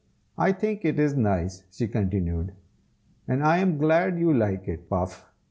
I think it is nice," she continued, "and I am glad you like it, Puff.